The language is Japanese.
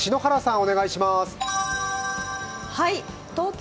お願いします。